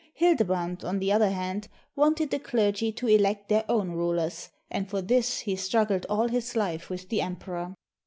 Hildebrand, on the other hand, wanted the clergy to elect their own rulers, and for this he struggled all his life with the Em peror.